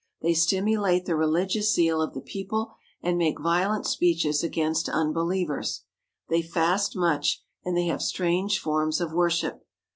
They stimulate the religious zeal of the people and make violent speeches against unbelievers. They fast much and they have strange forms of worship.